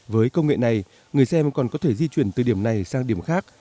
với công nghệ này người xem còn có thể di chuyển từ điểm này sang điểm khác